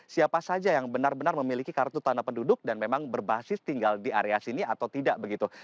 siapa saja yang benar benar memiliki kartu tanda penduduk dan memang berbasis tinggal di area sini atau tidak begitu